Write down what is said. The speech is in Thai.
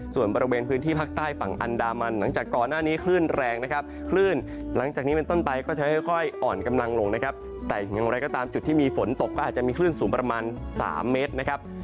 ส่วนบริเวณพื้นที่ภาคใต้ฝั่งอันดามันหลังจากก่อนหน้านี้คลื่นแรงนะครับคลื่นหลังจากนี้เป็นต้นไปก็จะค่อยอ่อนกำลังลงนะครับแต่อย่างไรก็ตามจุดที่มีฝนตกก็อาจจะมีคลื่นสูงประมาณ๓เมตรนะครับ